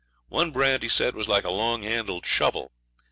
One brand, he said, was like a long handled shovel.